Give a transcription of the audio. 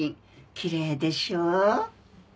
きれいでしょう？